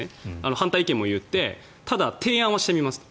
反対意見も言ってただ、提案もしてみます。